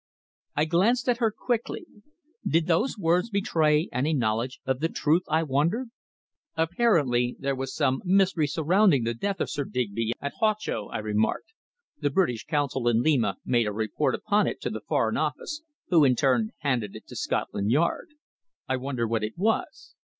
I glanced at her quickly. Did those words betray any knowledge of the truth, I wondered. "Apparently there was some mystery surrounding the death of Sir Digby at Huacho," I remarked. "The British Consul in Lima made a report upon it to the Foreign Office, who, in turn, handed it to Scotland Yard. I wonder what it was."